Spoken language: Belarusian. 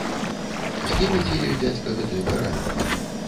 Знімеце ёй, дзядзька, гэтыя каралі.